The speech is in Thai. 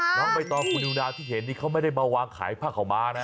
น้องใบตองคุณนิวนาวที่เห็นนี่เขาไม่ได้มาวางขายผ้าขาวม้านะ